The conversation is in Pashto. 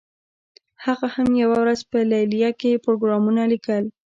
هغه هم یوه ورځ په لیلیه کې پروګرامونه لیکل